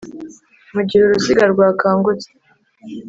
mu gihe uruziga rwakangutse